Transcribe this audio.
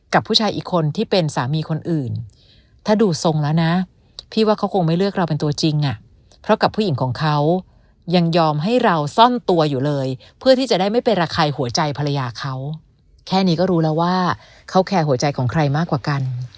กับผู้ชายอีกคนที่เป็นสามีคนอื่นถ้าดูทรงแล้วนะพี่ว่าเขาคงไม่เลือกเราเป็นตัวจริงอ่ะเพราะกับผู้หญิงของเขายังยอมให้เราซ่อนตัวอยู่เลยเพื่อที่จะได้ไม่ไประคายหัวใจภรรยาเขาแค่นี้ก็รู้แล้วว่าเขาแคร์หัวใจของใครมากกว่ากัน